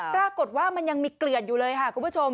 ปรากฏว่ามันยังมีเกลือนอยู่เลยค่ะคุณผู้ชม